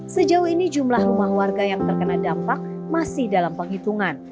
sejauh ini jumlah rumah warga yang terkena dampak masih dalam penghitungan